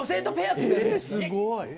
すごい。